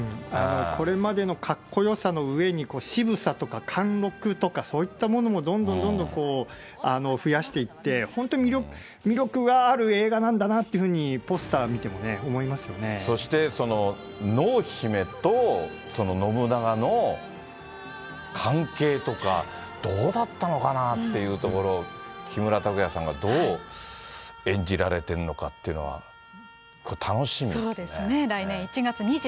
これまでのかっこよさの上に、渋さとか貫禄とかそういったものもどんどんどんどん増やしていって、本当に魅力がある映画なんだなっていうふうに、ポスター見てもね、そして、その濃姫と信長の関係とか、どうだったのかなっていうところ、木村拓哉さんがどう演じられてるのかっていうのは、これ、楽しみですね。